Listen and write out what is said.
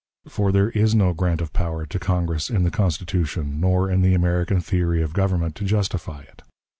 For there is no grant of power to Congress in the Constitution nor in the American theory of government to justify it.